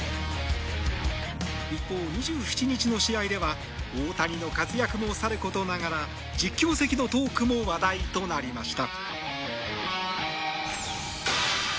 一方、２７日の試合では大谷の活躍もさることながら実況席のトークも話題となりました。